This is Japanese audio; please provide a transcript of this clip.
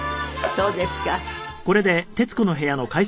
そうですね。